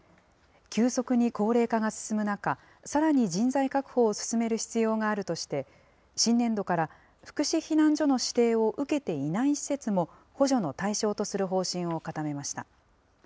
急速に高齢化が進む中、さらに人材確保を進める必要があるとして、新年度から、福祉避難所の指定を受けていない施設も、補助の対象とする方針を固めました。